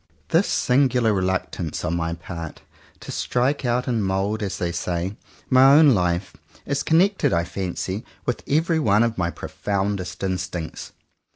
This singular reluctance on my part to strike out and mould, as they say, my own life, is connected I fancy with every one of my profoundest instincts.